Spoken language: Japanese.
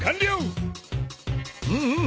うんうん！